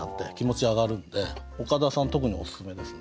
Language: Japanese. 岡田さん特におすすめですね。